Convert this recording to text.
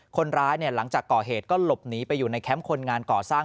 หลังจากก่อเหตุก็หลบหนีไปอยู่ในแคมป์คนงานก่อสร้าง